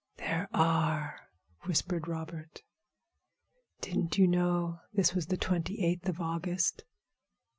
"There are," whispered Robert, "Didn't you know this was the twenty eighth of August?"